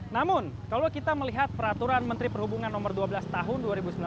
namun kalau kita melihat peraturan menteri perhubungan nomor dua belas tahun dua ribu sembilan belas